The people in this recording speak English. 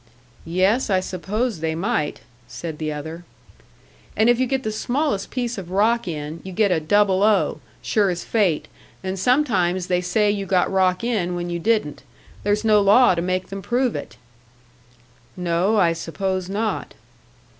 "Yes, I suppose they might," said the other. "And if you get the smallest piece of rock in, you get a 'double O,' sure as fate; and sometimes they say you got rock in when you didn't. There's no law to make them prove it." "No, I suppose not."